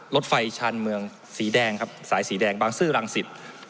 รถไฟชาญเมืองสีแดงครับสายสีแดงบางซื่อรังสิต